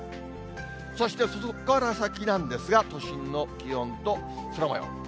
そしてそこから先なんですが、都心の気温と空もよう。